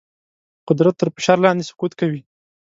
قدرت تر فشار لاندې سقوط کوي.